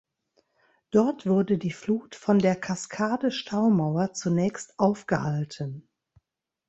Dort wurde die Flut von der Cascade-Staumauer zunächst aufgehalten.